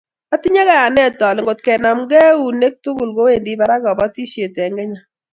Atinye kayanet ole ngotkenamkei eunek tugul kowendi barak kobotisiet eng Kenya